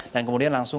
dan kemudian langsung